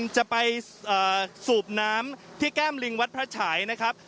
จะไปสูบน้ำที่แก้มลิงวัดพระฉายนะครับ